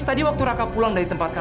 tadi waktu raka pulang dari tempat kakak